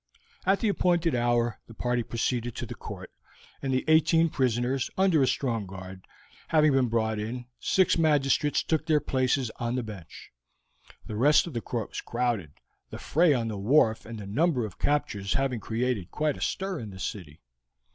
At the appointed hour the party proceeded to the court, and the eighteen prisoners, under a strong guard, having been brought in, six magistrates took their places on the bench; the rest of the court was crowded, the fray on the wharf and the number of captures having created quite a stir in the city.